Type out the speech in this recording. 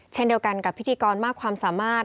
เช่นเดียวกันกับพิธีกรมากความสามารถ